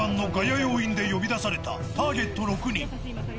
要員で呼び出されたターゲット６人。